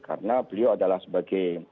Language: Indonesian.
karena beliau adalah sebagai